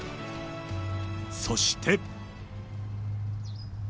そして。